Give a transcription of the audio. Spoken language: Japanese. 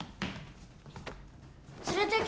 連れてけ。